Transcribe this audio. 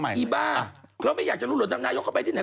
อีบ้าเค้าไม่อยากจะรวดนำนายกเข้าไปที่ไหน